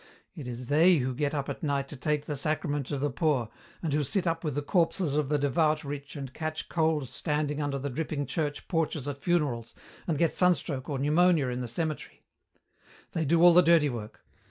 It is they who get up at night to take the sacrament to the poor, and who sit up with the corpses of the devout rich and catch cold standing under the dripping church porches at funerals, and get sunstroke or pneumonia in the cemetery. They do all the dirty work.